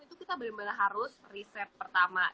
itu kita benar benar harus riset pertama